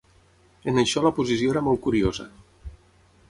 En això la posició era molt curiosa.